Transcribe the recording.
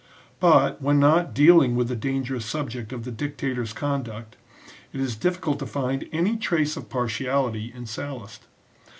But, when not dealing with the dangerous subject of the dictator s conduct, it is difficult to find any trace of partiality in Sallust.